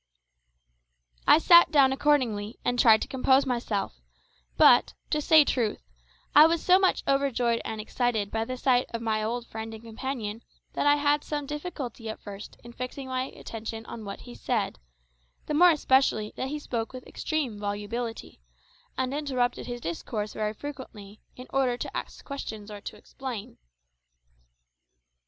I sat down accordingly, and tried to compose myself; but, to say truth, I was so much overjoyed and excited by the sight of my old friend and companion that I had some difficulty at first in fixing my attention on what he said, the more especially that he spoke with extreme volubility, and interrupted his discourse very frequently, in order to ask questions or to explain.